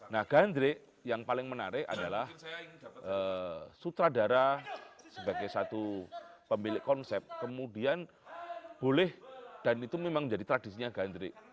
nah gandrik yang paling menarik adalah sutradara sebagai satu pemilik konsep kemudian boleh dan itu memang menjadi tradisinya gandrik